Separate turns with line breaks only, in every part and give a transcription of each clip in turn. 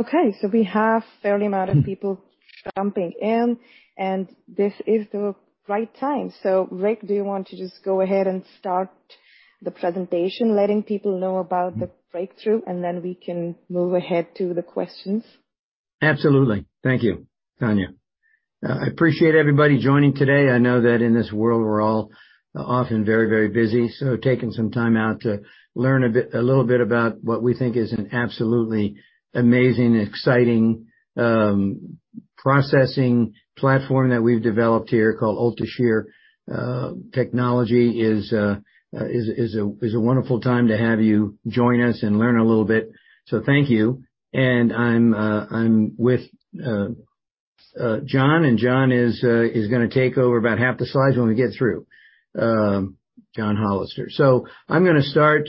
Okay, we have a fair amount of people jumping in, and this is the right time. Rick, do you want to just go ahead and start the presentation, letting people know about the breakthrough, and then we can move ahead to the questions?
Absolutely. Thank you, Tanya. I appreciate everybody joining today. I know that in this world, we're all often very, very busy, so taking some time out to learn a bit, a little bit about what we think is an absolutely amazing, exciting processing platform that we've developed here, called UltraShear. Technology is a wonderful time to have you join us and learn a little bit. Thank you. I'm with John, and John is gonna take over about half the slides when we get through, John Hollister. I'm gonna start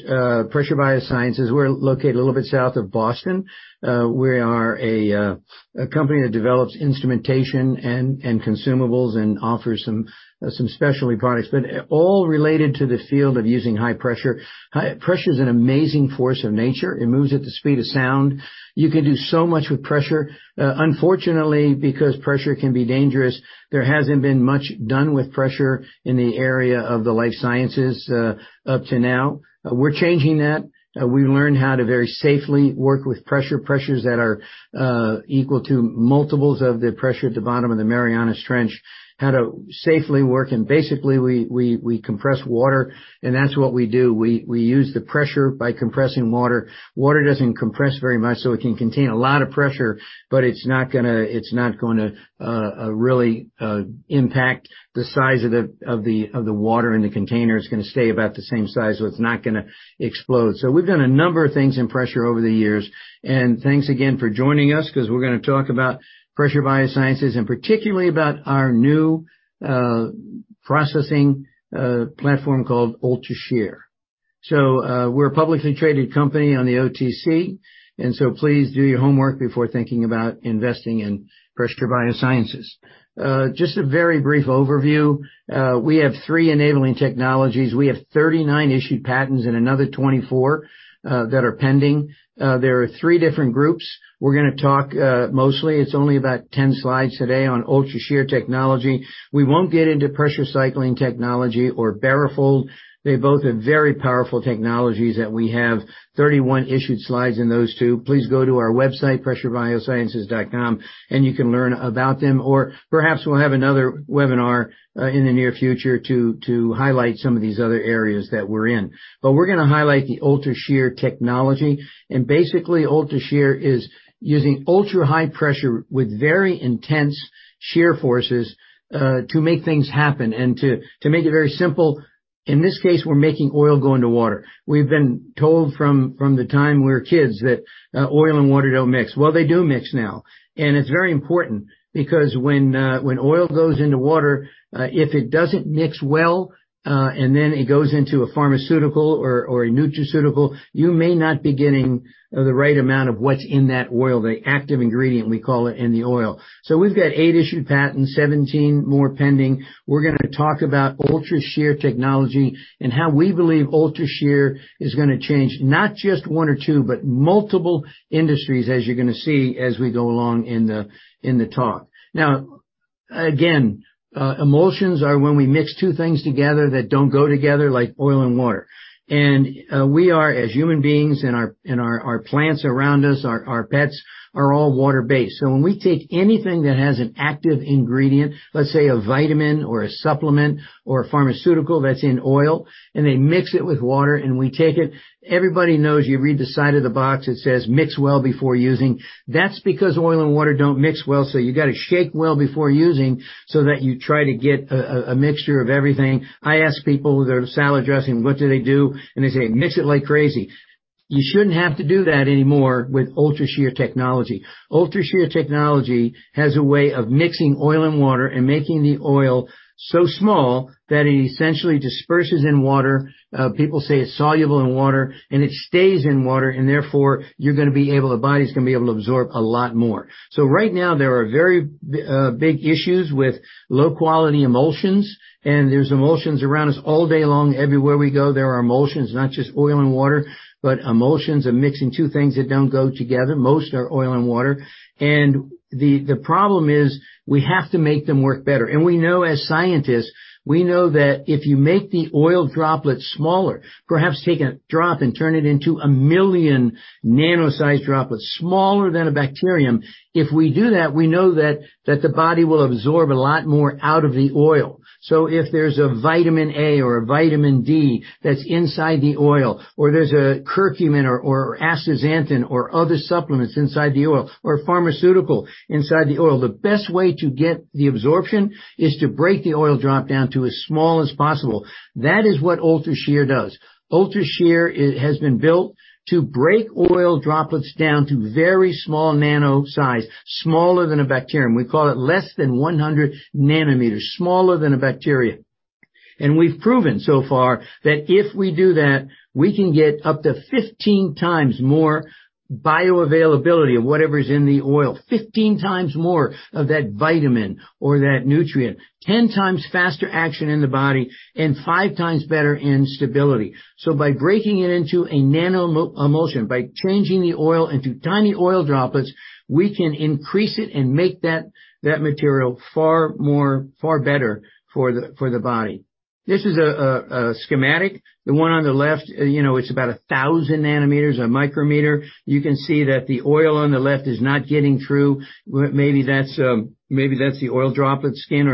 Pressure BioSciences. We're located a little bit south of Boston. We are a company that develops instrumentation and consumables and offers some specialty products, but all related to the field of using high pressure. Pressure is an amazing force of nature. It moves at the speed of sound. You can do so much with pressure. Unfortunately, because pressure can be dangerous, there hasn't been much done with pressure in the area of the life sciences up to now. We're changing that. We learned how to very safely work with pressure, pressures that are equal to multiples of the pressure at the bottom of the Marianas Trench, how to safely work. Basically, we compress water. That's what we do. We use the pressure by compressing water. Water doesn't compress very much, so it can contain a lot of pressure, but it's not gonna really impact the size of the water in the container. It's gonna stay about the same size, so it's not gonna explode. We've done a number of things in pressure over the years, and thanks again for joining us, 'cause we're gonna talk about Pressure BioSciences, and particularly about our new processing platform called UltraShear. We're a publicly traded company on the OTC. Please do your homework before thinking about investing in Pressure BioSciences. Just a very brief overview. We have three enabling technologies. We have 39 issued patents and another 24 that are pending. There are three different groups. We're gonna talk mostly, it's only about 10 slides today on UltraShear technology. We won't get into Pressure Cycling Technology or BaroFold. They both are very powerful technologies that we have 31 issued slides in those two. Please go to our website, pressurebiosciences.com, and you can learn about them, or perhaps we'll have another webinar in the near future to highlight some of these other areas that we're in. We're gonna highlight the UltraShear technology. Basically, UltraShear is using ultra-high pressure with very intense shear forces to make things happen and to make it very simple, in this case, we're making oil go into water. We've been told from the time we're kids, that oil and water don't mix. They do mix now, and it's very important because when oil goes into water, if it doesn't mix well, and then it goes into a pharmaceutical or a nutraceutical, you may not be getting the right amount of what's in that oil, the active ingredient, we call it, in the oil. We've got 8 issued patents, 17 more pending. We're going to talk about UltraShear technology and how we believe UltraShear is going to change not just 1 or 2, but multiple industries, as you're going to see, as we go along in the, in the talk. Again, emulsions are when we mix 2 things together that don't go together, like oil and water. We are, as human beings, and our, and our plants around us, our pets are all water-based. When we take anything that has an active ingredient, let's say a vitamin or a supplement or a pharmaceutical that's in oil, and they mix it with water, and we take it, everybody knows, you read the side of the box, it says, "Mix well before using." That's because oil and water don't mix well, so you gotta shake well before using so that you try to get a mixture of everything. I ask people with their salad dressing, what do they do? And they say, "Mix it like crazy." You shouldn't have to do that anymore with UltraShear technology. UltraShear technology has a way of mixing oil and water and making the oil so small that it essentially disperses in water. People say it's soluble in water, and it stays in water, and therefore, you're gonna be able... Your body's gonna be able to absorb a lot more. Right now, there are very big issues with low-quality emulsions, and there's emulsions around us all day long. Everywhere we go, there are emulsions, not just oil and water, but emulsions are mixing two things that don't go together. Most are oil and water, and the problem is, we have to make them work better. We know, as scientists, we know that if you make the oil droplets smaller, perhaps take a drop and turn it into 1 million nano-sized droplets, smaller than a bacterium. If we do that, we know that the body will absorb a lot more out of the oil. If there's a vitamin A or a vitamin D that's inside the oil, or there's a curcumin or astaxanthin or other supplements inside the oil, or pharmaceutical inside the oil, the best way to get the absorption is to break the oil drop down to as small as possible. That is what UltraShear does. UltraShear has been built to break oil droplets down to very small nano size, smaller than a bacterium. We call it less than 100 nanometers, smaller than a bacteria. We've proven so far that if we do that, we can get up to 15 times more bioavailability of whatever is in the oil. 15 times more of that vitamin or that nutrient, 10 times faster action in the body, and 5 times better in stability. By breaking it into a nanoemulsion, by changing the oil into tiny oil droplets, we can increase it and make that material far better for the body. This is a schematic. The one on the left, you know, it's about 1,000 nanometers, a micrometer. You can see that the oil on the left is not getting through. Maybe that's the oil droplet skin,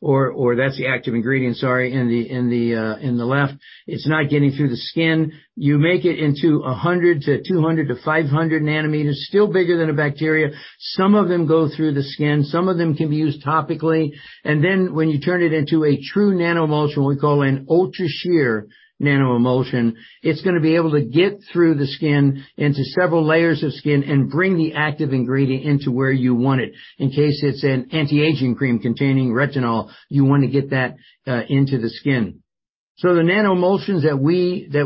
or that's the active ingredient, sorry, in the left. It's not getting through the skin. You make it into 100 to 200 to 500 nanometers, still bigger than a bacteria. Some of them go through the skin, some of them can be used topically. When you turn it into a true nanoemulsion, we call an UltraShear nanoemulsion, it's gonna be able to get through the skin, into several layers of skin, and bring the active ingredient into where you want it. In case it's an anti-aging cream containing retinol, you wanna get that into the skin. The nanoemulsions that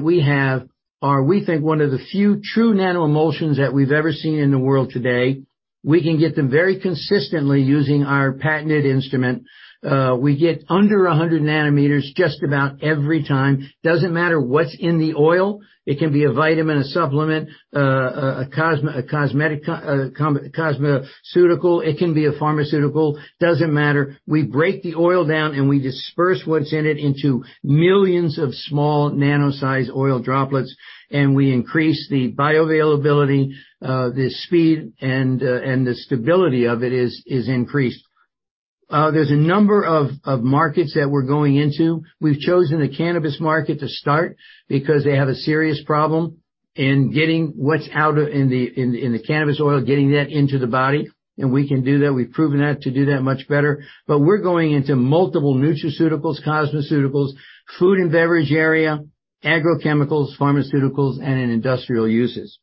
we have are, we think, one of the few true nanoemulsions that we've ever seen in the world today. We can get them very consistently using our patented instrument. We get under 100 nanometers just about every time. Doesn't matter what's in the oil. It can be a vitamin, a supplement, a cosmetic, cosmeceutical, it can be a pharmaceutical, doesn't matter. We break the oil down, and we disperse what's in it into millions of small nano-sized oil droplets, and we increase the bioavailability, the speed, and the stability of it is increased. There's a number of markets that we're going into. We've chosen the cannabis market to start because they have a serious problem in getting what's out of, in the cannabis oil, getting that into the body, and we can do that. We've proven that, to do that much better. We're going into multiple nutraceuticals, cosmeceuticals, food and beverage area, agrochemicals, pharmaceuticals, and in industrial uses.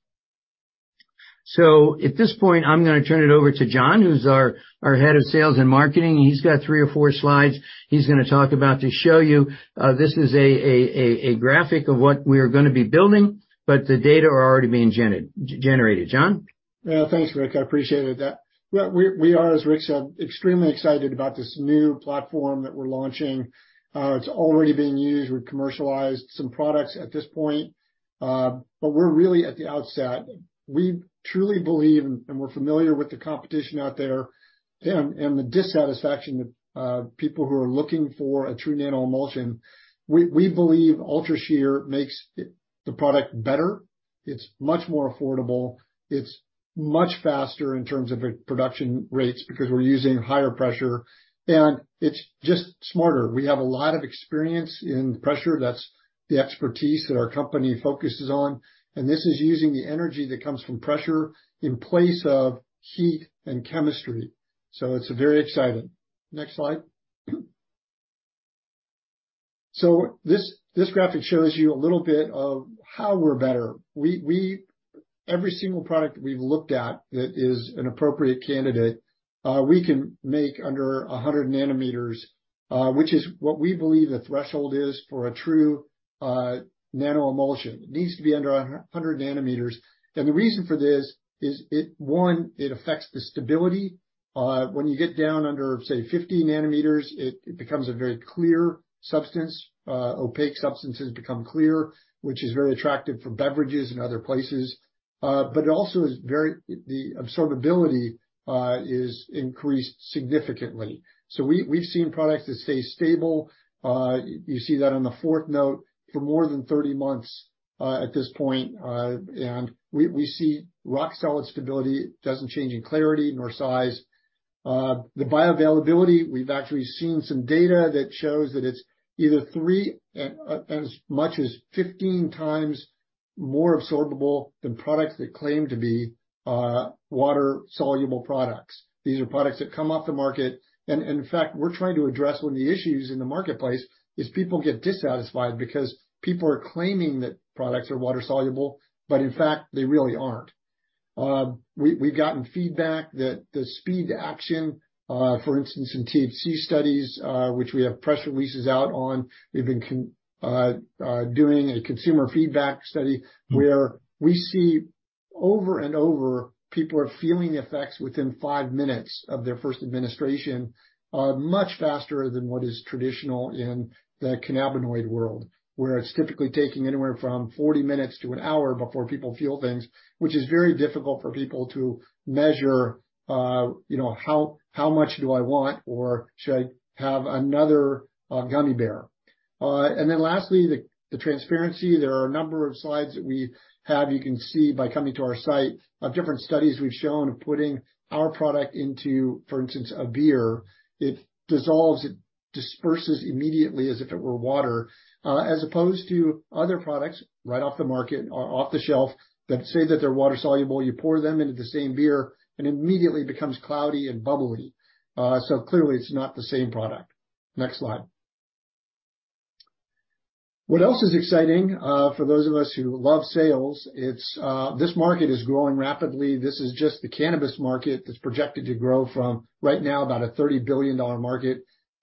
At this point, I'm gonna turn it over to John, who's our head of sales and marketing, and he's got three or four slides he's gonna talk about to show you. This is a graphic of what we're gonna be building, but the data are already being generated. John?
Thanks, Rick. I appreciate that. Well, we are, as Rick said, extremely excited about this new platform that we're launching. It's already being used. We've commercialized some products at this point, but we're really at the outset. We truly believe, and we're familiar with the competition out there and the dissatisfaction of people who are looking for a true nanoemulsion. We believe UltraShear makes it, the product better. It's much more affordable. It's much faster in terms of the production rates because we're using higher pressure, and it's just smarter. We have a lot of experience in pressure. That's the expertise that our company focuses on, and this is using the energy that comes from pressure in place of heat and chemistry. It's very exciting. Next slide. This graphic shows you a little bit of how we're better. We Every single product we've looked at that is an appropriate candidate, we can make under 100 nanometers, which is what we believe the threshold is for a true nanoemulsion. It needs to be under 100 nanometers. The reason for this is it, one, it affects the stability. When you get down under, say, 50 nanometers, it becomes a very clear substance. Opaque substances become clear, which is very attractive for beverages and other places. The absorbability is increased significantly. We've seen products that stay stable, you see that on the fourth note, for more than 30 months at this point, and we see rock-solid stability. It doesn't change in clarity nor size. The bioavailability, we've actually seen some data that shows that it's either 3, as much as 15 times more absorbable than products that claim to be water-soluble products. These are products that come off the market, and in fact, we're trying to address one of the issues in the marketplace, is people get dissatisfied because people are claiming that products are water-soluble, but in fact, they really aren't. We've gotten feedback that the speed to action, for instance, in THC studies, which we have press releases out on, we've been doing a consumer feedback study where we see over and over, people are feeling the effects within five minutes of their first administration, much faster than what is traditional in the cannabinoid world, where it's typically taking anywhere from forty minutes to an hour before people feel things, which is very difficult for people to measure, you know, how much do I want, or should I have another gummy bear? Lastly, the transparency. There are a number of slides that we have. You can see by coming to our site, of different studies we've shown of putting our product into, for instance, a beer. It dissolves, it disperses immediately as if it were water, as opposed to other products right off the market or off the shelf that say that they're water-soluble. You pour them into the same beer, it immediately becomes cloudy and bubbly. Clearly, it's not the same product. Next slide. What else is exciting, for those of us who love sales, it's, this market is growing rapidly. This is just the cannabis market that's projected to grow from right now, about a $30 billion market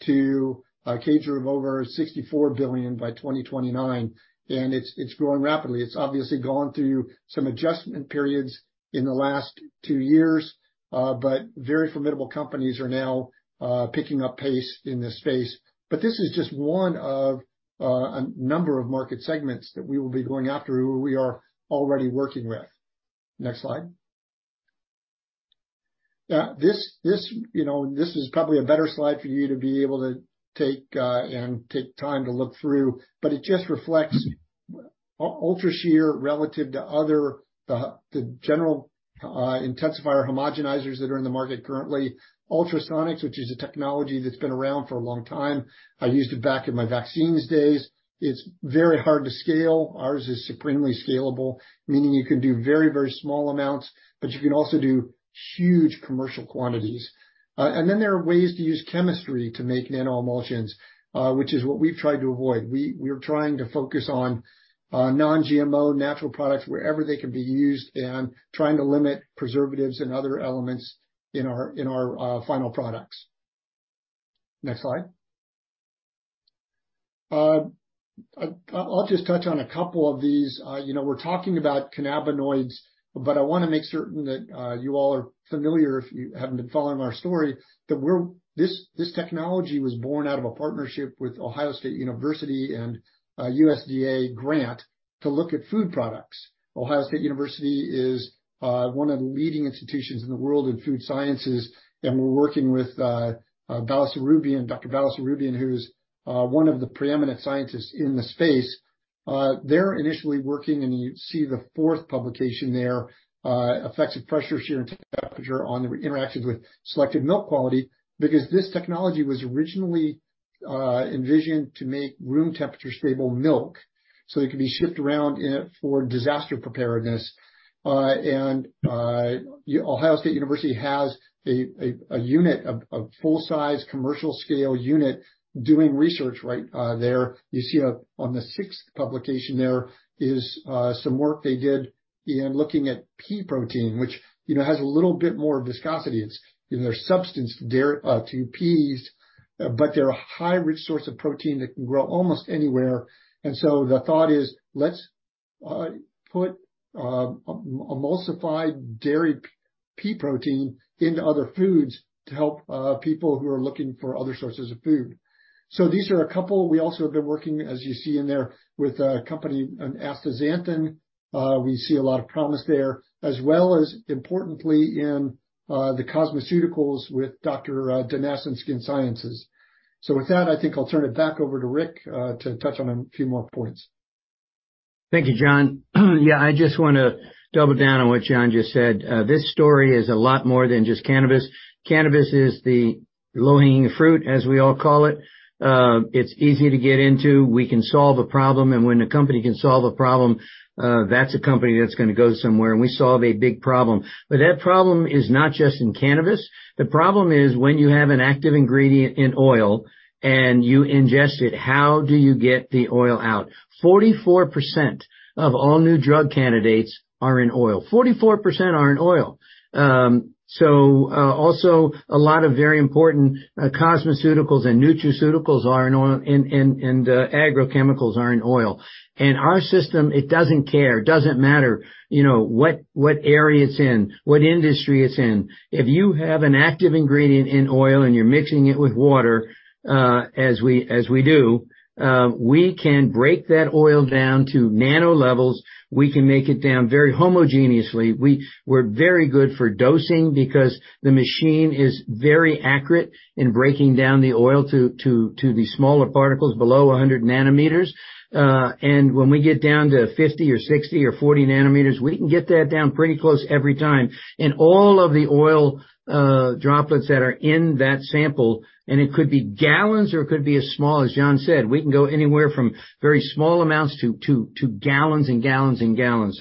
to a CAGR of over $64 billion by 2029, it's growing rapidly. It's obviously gone through some adjustment periods in the last two years, very formidable companies are now picking up pace in this space. This is just one of a number of market segments that we will be going after, who we are already working with. Next slide. This, you know, this is probably a better slide for you to be able to take and take time to look through, but it just reflects UltraShear relative to other, the general intensifier homogenizers that are in the market currently. Ultrasonics, which is a technology that's been around for a long time, I used it back in my vaccines days. It's very hard to scale. Ours is supremely scalable, meaning you can do very, very small amounts, but you can also do huge commercial quantities. Then there are ways to use chemistry to make nanoemulsions, which is what we've tried to avoid. We're trying to focus on non-GMO natural products wherever they can be used, and trying to limit preservatives and other elements in our final products. Next slide. I'll just touch on a couple of these. You know, we're talking about cannabinoids, but I want to make certain that you all are familiar, if you haven't been following our story, that this technology was born out of a partnership with The Ohio State University and a USDA grant to look at food products. The Ohio State University is one of the leading institutions in the world in food sciences, and we're working with Dr. Balasubramanian, who's one of the preeminent scientists in the space. They're initially working, and you see the fourth publication there, Effects of Pressure, Shear, and Temperature on the Interactions with Selected Milk Quality, because this technology was originally envisioned to make room temperature stable milk, so it could be shipped around for disaster preparedness. Ohio State University has a unit, a full-size commercial scale unit doing research right there. You see up on the sixth publication there, is some work they did in looking at pea protein, which, you know, has a little bit more viscosity. It's, you know, there's substance to dairy, to peas, but they're a high rich source of protein that can grow almost anywhere. The thought is, let's put emulsified dairy pea protein into other foods to help people who are looking for other sources of food. These are a couple. We also have been working, as you see in there, with a company on astaxanthin. We see a lot of promise there, as well as importantly, in the cosmeceuticals with Dr. Denese and Skin Science. With that, I think I'll turn it back over to Rick to touch on a few more points.
Thank you, John. Yeah, I just wanna double down on what John just said. This story is a lot more than just cannabis. Cannabis is the low-hanging fruit, as we all call it. It's easy to get into. We can solve a problem, and when a company can solve a problem, that's a company that's gonna go somewhere, and we solve a big problem. That problem is not just in cannabis. The problem is when you have an active ingredient in oil and you ingest it, how do you get the oil out? 44% of all new drug candidates are in oil. 44% are in oil. Also a lot of very important, cosmeceuticals and nutraceuticals are in oil, and agrochemicals are in oil. Our system, it doesn't care. Doesn't matter, you know, what area it's in, what industry it's in. If you have an active ingredient in oil and you're mixing it with water, as we do, we can break that oil down to nano levels. We can make it down very homogeneously. We're very good for dosing because the machine is very accurate in breaking down the oil to the smaller particles below 100 nanometers. When we get down to 50 or 60 or 40 nanometers, we can get that down pretty close every time. All of the oil droplets that are in that sample, and it could be gallons, or it could be as small as John said, we can go anywhere from very small amounts to gallons and gallons and gallons.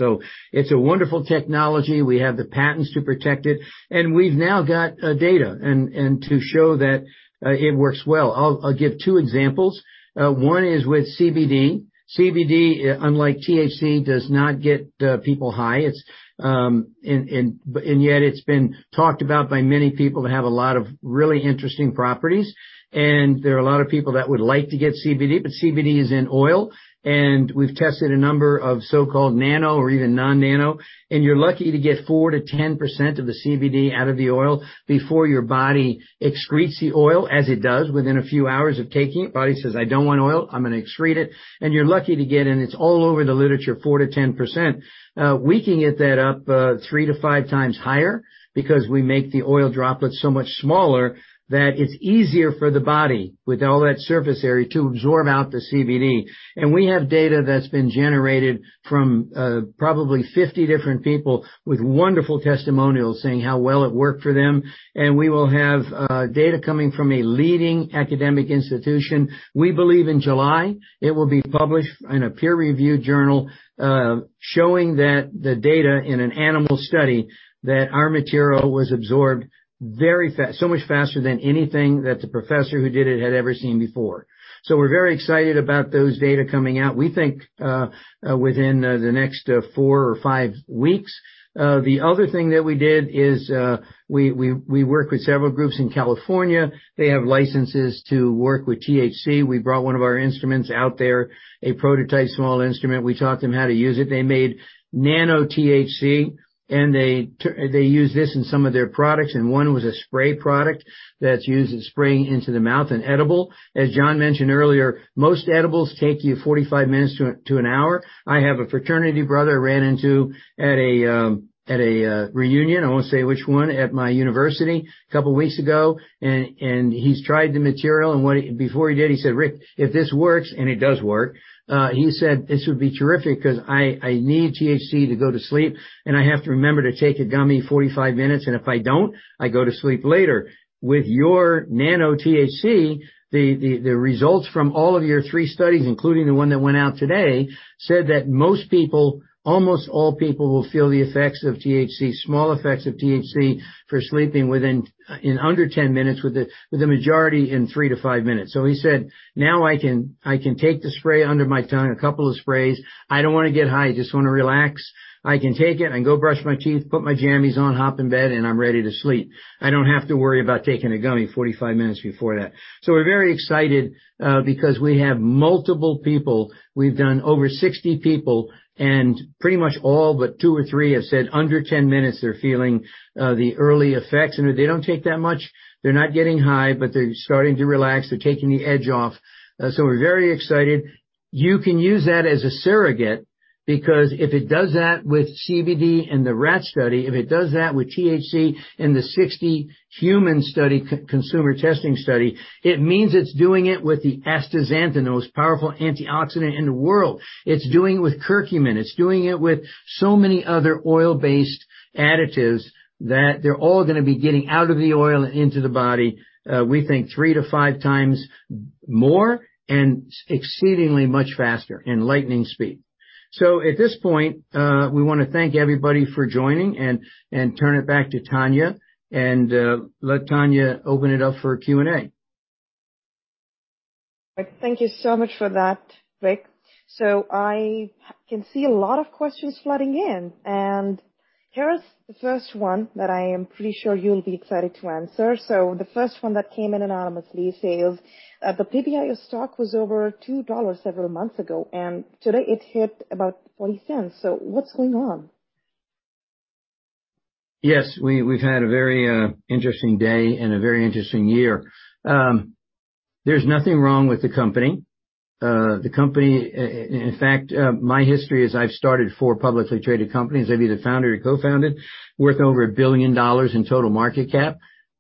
It's a wonderful technology. We have the patents to protect it, and we've now got data to show that it works well. I'll give two examples. One is with CBD. CBD, unlike THC, does not get people high. It's, but and yet it's been talked about by many people to have a lot of really interesting properties, and there are a lot of people that would like to get CBD, but CBD is in oil, and we've tested a number of so-called nano or even non-nano, and you're lucky to get 4%-10% of the CBD out of the oil before your body excretes the oil, as it does within a few hours of taking it. Body says, "I don't want oil. I'm gonna excrete it." You're lucky to get, and it's all over the literature, 4%-10%.
We can get that up three to five times higher because we make the oil droplets so much smaller that it's easier for the body, with all that surface area, to absorb out the CBD. We have data that's been generated from probably 50 different people with wonderful testimonials saying how well it worked for them. We will have data coming from a leading academic institution. We believe in July, it will be published in a peer-reviewed journal, showing that the data in an animal study, that our material was absorbed very fast, so much faster than anything that the professor who did it had ever seen before. We're very excited about those data coming out, we think, within the next four or five weeks. The other thing that we did is we worked with several groups in California. They have licenses to work with THC. We brought one of our instruments out there, a prototype small instrument. We taught them how to use it. They made nano THC, and they use this in some of their products, and one was a spray product that's used in spraying into the mouth, an edible. As John mentioned earlier, most edibles take you 45 minutes to an hour. I have a fraternity brother I ran into at a, at a reunion, I won't say which one, at my university a couple weeks ago. He's tried the material. Before he did, he said, "Rick, if this works." It does work. He said, "This would be terrific because I need THC to go to sleep. I have to remember to take a gummy 45 minutes. If I don't, I go to sleep later." With your nano THC, the results from all of your three studies, including the one that went out today, said that most people, almost all people, will feel the effects of THC, small effects of THC for sleeping within, in under 10 minutes, with the majority in 3-5 minutes. He said, "Now I can take the spray under my tongue, a couple of sprays. I don't wanna get high. I just wanna relax. I can take it, and go brush my teeth, put my jammies on, hop in bed, and I'm ready to sleep. I don't have to worry about taking a gummy 45 minutes before that." We're very excited, because we have multiple people. We've done over 60 people. Pretty much all but two or three have said under 10 minutes, they're feeling the early effects, and they don't take that much. They're not getting high, they're starting to relax. They're taking the edge off. We're very excited. You can use that as a surrogate, because if it does that with CBD in the rat study, if it does that with THC in the 60 human study, consumer testing study, it means it's doing it with the astaxanthin, the most powerful antioxidant in the world. It's doing it with curcumin, it's doing it with so many other oil-based additives, that they're all gonna be getting out of the oil and into the body, we think 3-5 times more, and exceedingly much faster, in lightning speed. At this point, we wanna thank everybody for joining and turn it back to Tanya and let Tanya open it up for Q&A.
Thank you so much for that, Rick. I can see a lot of questions flooding in, and here is the first one that I am pretty sure you'll be excited to answer. The first one that came in anonymously says, "The PBIO stock was over $2 several months ago, and today it hit about $0.40. What's going on?
Yes, we've had a very interesting day and a very interesting year. There's nothing wrong with the company. The company, in fact, my history is I've started 4 publicly traded companies, I've either founded or co-founded, worth over $1 billion in total market cap.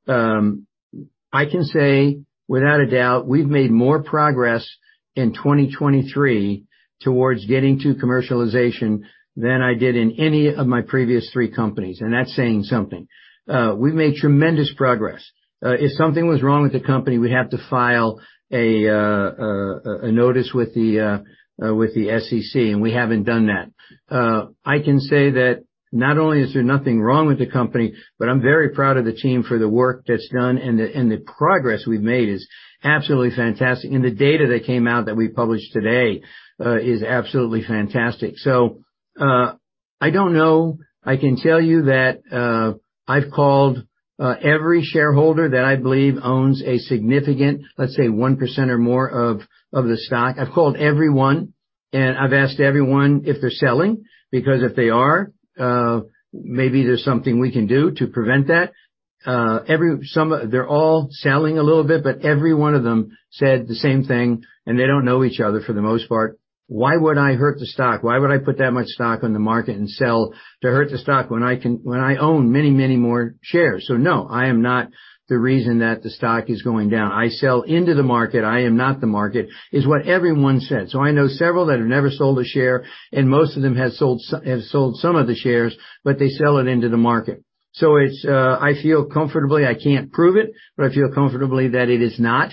I can say, without a doubt, we've made more progress in 2023 towards getting to commercialization than I did in any of my previous three companies, and that's saying something. We've made tremendous progress. If something was wrong with the company, we'd have to file a notice with the SEC, and we haven't done that. I can say that, not only is there nothing wrong with the company, but I'm very proud of the team for the work that's done and the progress we've made is absolutely fantastic. The data that came out that we published today is absolutely fantastic. I don't know. I can tell you that I've called every shareholder that I believe owns a significant, let's say, 1% or more of the stock. I've called everyone, and I've asked everyone if they're selling, because if they are, maybe there's something we can do to prevent that. Some of... They're all selling a little bit, but every one of them said the same thing, and they don't know each other for the most part: "Why would I hurt the stock? Why would I put that much stock on the market and sell to hurt the stock when I own many, many more shares? No, I am not the reason that the stock is going down. I sell into the market. I am not the market," is what everyone said. I know several that have never sold a share, and most of them have sold some of the shares, but they sell it into the market. It's, I feel comfortably, I can't prove it, but I feel comfortably that it is not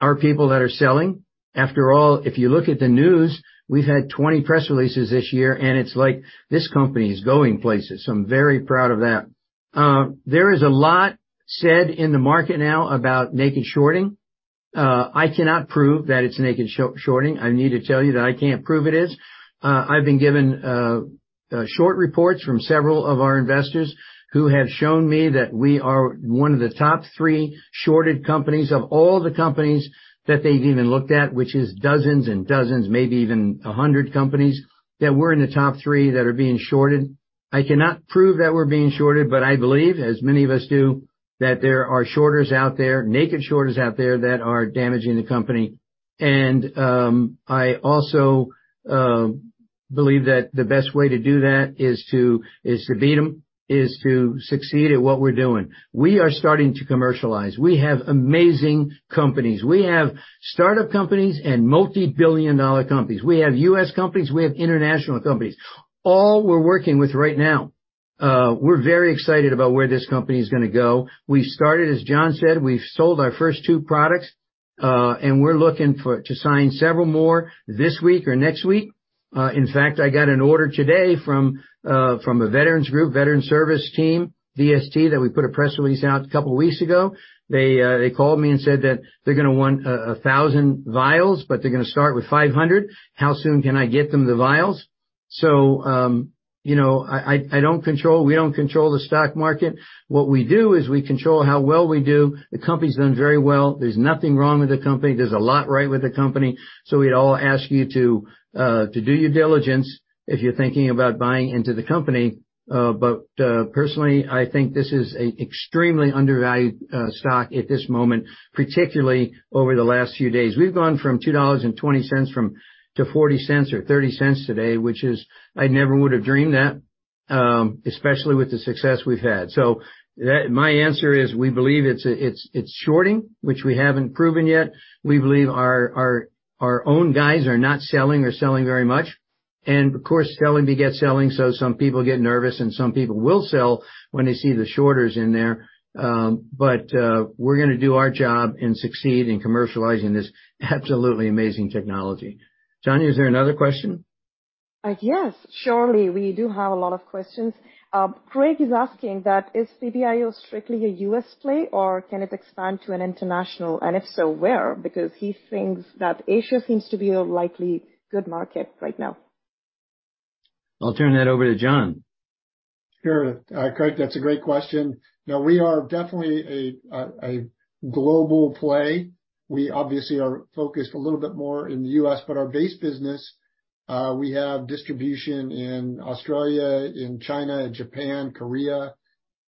our people that are selling. After all, if you look at the news, we've had 20 press releases this year, and it's like this company is going places. I'm very proud of that. There is a lot said in the market now about naked shorting. I cannot prove that it's naked shorting. I need to tell you that I can't prove it is. I've been given short reports from several of our investors who have shown me that we are one of the top three shorted companies of all the companies that they've even looked at, which is dozens and dozens, maybe even 100 companies, that we're in the top three that are being shorted. I cannot prove that we're being shorted. I believe, as many of us do, that there are shorters out there, naked shorters out there, that are damaging the company. I also believe that the best way to do that is to beat them, is to succeed at what we're doing. We are starting to commercialize. We have amazing companies. We have startup companies and multi-billion dollar companies. We have U.S. companies, we have international companies. All we're working with right now. We're very excited about where this company is gonna go. We started, as John said, we've sold our first two products, and we're looking to sign several more this week or next week. In fact, I got an order today from a veterans group, Veteran Service Team, VST, that we put a press release out a couple of weeks ago. They called me and said that they're gonna want 1,000 vials, but they're gonna start with 500. How soon can I get them the vials? You know, we don't control the stock market. What we do is we control how well we do. The company's doing very well. There's nothing wrong with the company. There's a lot right with the company. We'd all ask you to do your diligence if you're thinking about buying into the company, but personally, I think this is a extremely undervalued stock at this moment, particularly over the last few days. We've gone from $2.20 from, to $0.40 or $0.30 today, which is. I never would have dreamed that, especially with the success we've had. That, my answer is, we believe it's shorting, which we haven't proven yet. We believe our own guys are not selling or selling very much, and of course, selling beget selling, so some people get nervous and some people will sell when they see the shorters in there. We're gonna do our job and succeed in commercializing this absolutely amazing technology. Tanya, is there another question?
Yes, surely. We do have a lot of questions. Craig is asking that, "Is PBIO strictly a U.S. play, or can it expand to an international, and if so, where?" Because he thinks that Asia seems to be a likely good market right now.
I'll turn that over to John.
Sure. Craig, that's a great question. No, we are definitely a global play. We obviously are focused a little bit more in the U.S., but our base business, we have distribution in Australia, in China, Japan, Korea,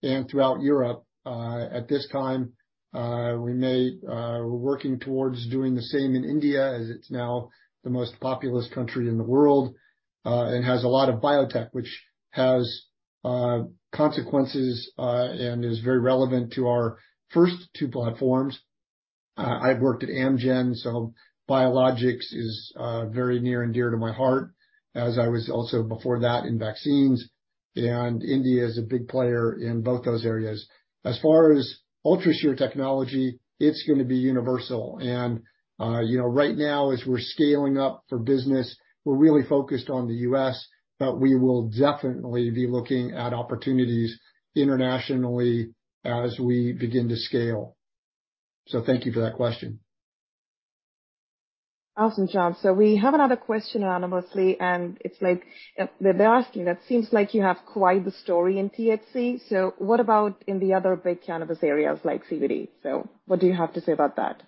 and throughout Europe. At this time, we may, we're working towards doing the same in India, as it's now the most populous country in the world, and has a lot of biotech, which has consequences, and is very relevant to our first two platforms. I've worked at Amgen, so biologics is very near and dear to my heart, as I was also before that in vaccines, and India is a big player in both those areas. As far as UltraShear technology, it's going to be universal. You know, right now, as we're scaling up for business, we're really focused on the U.S., but we will definitely be looking at opportunities internationally as we begin to scale. Thank you for that question.
Awesome, John. We have another question anonymously, and it's like, they're asking, "It seems like you have quite the story in THC, so what about in the other big cannabis areas like CBD?" What do you have to say about that?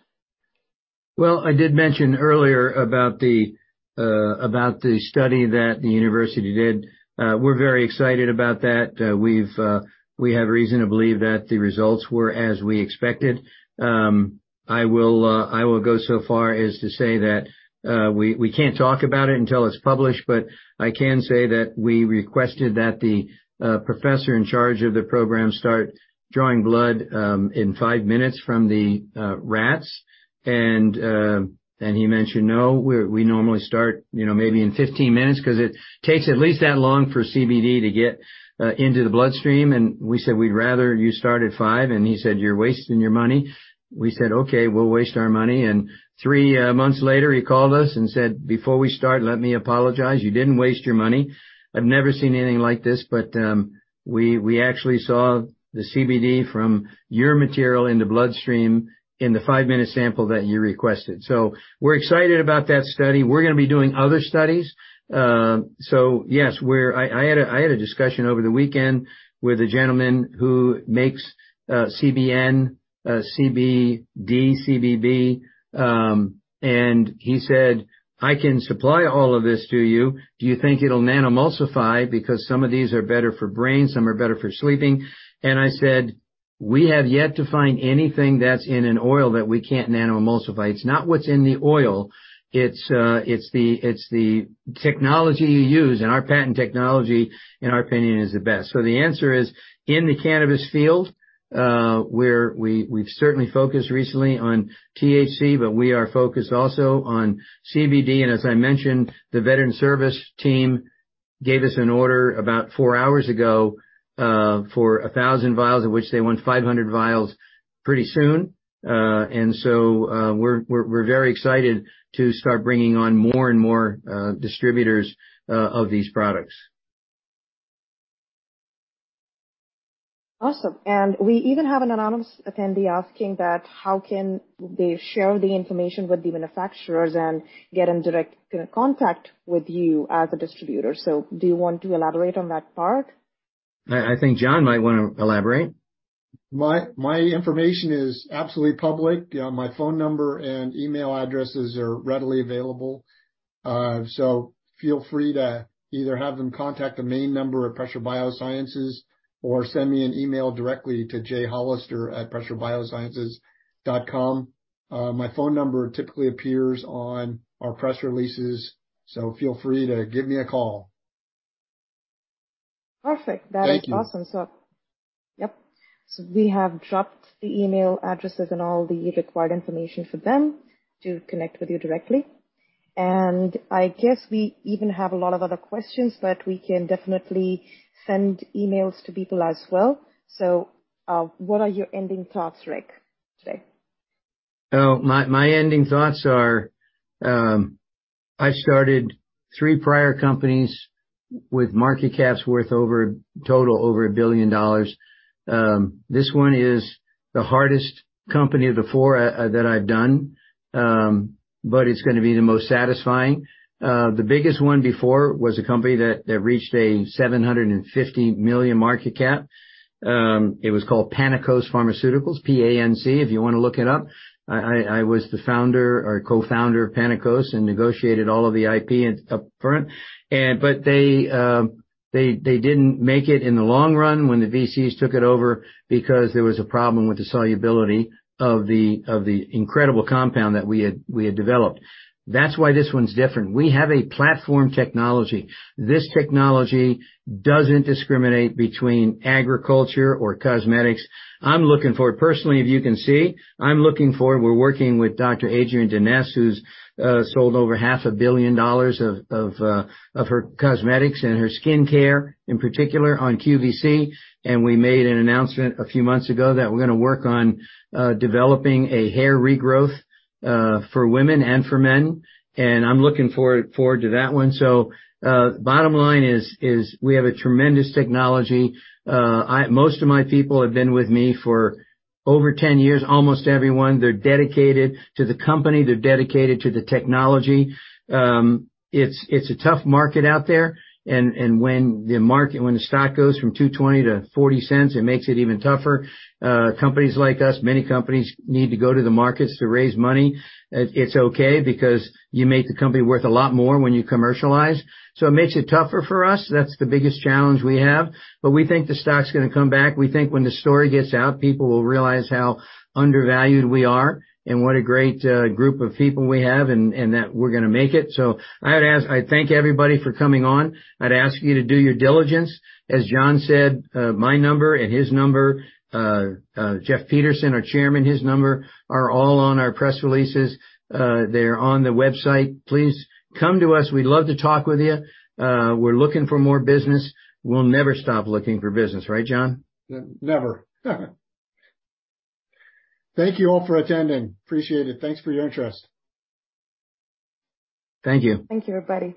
I did mention earlier about the study that the university did. We're very excited about that. We have reason to believe that the results were as we expected. I will go so far as to say that we can't talk about it until it's published, but I can say that we requested that the professor in charge of the program start drawing blood in five minutes from the rats. He mentioned, "No, we normally start, you know, maybe in 15 minutes, 'cause it takes at least that long for CBD to get into the bloodstream." We said, "We'd rather you start at five." He said, "You're wasting your money." We said, "Okay, we'll waste our money." 3 months later, he called us and said, "Before we start, let me apologize. You didn't waste your money. I've never seen anything like this, but we actually saw the CBD from your material in the bloodstream in the five-minute sample that you requested." We're excited about that study. We're going to be doing other studies. Yes, I had a discussion over the weekend with a gentleman who makes CBN, CBD, CBG, and he said, "I can supply all of this to you. Do you think it'll nanoemulsify? Because some of these are better for brain, some are better for sleeping." I said, "We have yet to find anything that's in an oil that we can't nanoemulsify." It's not what's in the oil, it's the technology you use, and our patent technology, in our opinion, is the best. The answer is, in the cannabis field, we've certainly focused recently on THC, we are focused also on CBD. As I mentioned, the Veteran Service Team gave us an order about four hours ago, for 1,000 vials, of which they want 500 vials pretty soon. So, we're very excited to start bringing on more and more distributors of these products.
Awesome. We even have an anonymous attendee asking that, how can they share the information with the manufacturers and get in direct contact with you as a distributor? Do you want to elaborate on that part?
I think John might want to elaborate.
My information is absolutely public. My phone number and email addresses are readily available. Feel free to either have them contact the main number at Pressure BioSciences or send me an email directly to jhollister@pressurebiosciences.com. My phone number typically appears on our press releases, so feel free to give me a call.
Perfect.
Thank you.
That is awesome. Yep. We have dropped the email addresses and all the required information for them to connect with you directly. I guess we even have a lot of other questions, but we can definitely send emails to people as well. What are your ending thoughts, Rick, today?
My ending thoughts are, I started three prior companies with market caps worth over, total over $1 billion. This one is the hardest company of the 4 that I've done, it's going to be the most satisfying. The biggest one before was a company that reached a $750 million market cap. It was called Panacos Pharmaceuticals, P-A-N-C-, if you want to look it up. I was the founder or co-founder of Panacos and negotiated all of the IP up front. They didn't make it in the long run when the VCs took it over, because there was a problem with the solubility of the incredible compound that we had developed. That's why this one's different. We have a platform technology. This technology doesn't discriminate between agriculture or cosmetics. I'm looking forward, personally, if you can see, I'm looking forward. We're working with Dr. Adrienne Denese, who's sold over half a billion dollars of her cosmetics and her skincare, in particular, on QVC. We made an announcement a few months ago that we're going to work on developing a hair regrowth for women and for men, and I'm looking forward to that one. Bottom line is we have a tremendous technology. Most of my people have been with me for over 10 years, almost everyone. They're dedicated to the company, they're dedicated to the technology. It's a tough market out there, and when the stock goes from $2.20 to $0.40, it makes it even tougher. Companies like us, many companies need to go to the markets to raise money. It's okay because you make the company worth a lot more when you commercialize. It makes it tougher for us. That's the biggest challenge we have. We think the stock's going to come back. We think when the story gets out, people will realize how undervalued we are and what a great group of people we have and that we're going to make it. I thank everybody for coming on. I'd ask you to do your diligence. As John said, my number and his number, Jeff Peterson, our Chairman, his number, are all on our press releases. They're on the website. Please come to us. We'd love to talk with you. We're looking for more business. We'll never stop looking for business, right, John?
Never. Thank you all for attending. Appreciate it. Thanks for your interest.
Thank you.
Thank you, everybody.